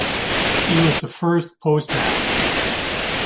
He was the first postmaster.